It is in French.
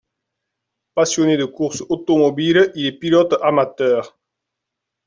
Passionné de course automobile, il est pilote amateur.